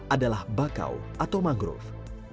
adalah bakau atau mangrove